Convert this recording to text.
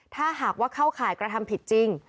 ถ้าหากว่าเข้าข่ายกระทำผิดจริง